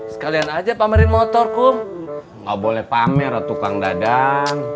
sekalian aja pamerin motor kum gak boleh pamer atau tukang dadang